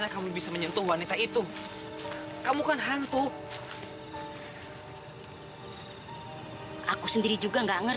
sampai jumpa di video selanjutnya